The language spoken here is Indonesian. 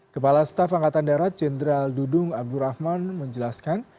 kepala staf angkatan darat jenderal dudung abdurrahman menjelaskan